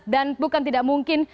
dan bukan tidak mungkin